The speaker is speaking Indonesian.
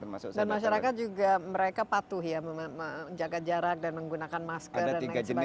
dan masyarakat juga mereka patuh ya menjaga jarak dan menggunakan masker dan lain sebagainya